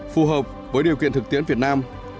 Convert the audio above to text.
phù hợp với điều kiện thực tiễn việt nam